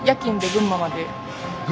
群馬まで。